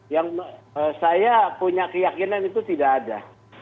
yang saya punya keyakinan itu tidak ada